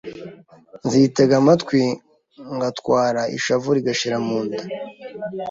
Nzitega amatwi ngatwarwa Ishavu rigashira mu nda.